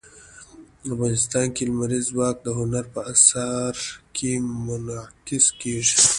افغانستان کې لمریز ځواک د هنر په اثار کې منعکس کېږي.